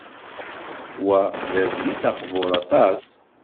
Wa d adlis aqbur aṭas.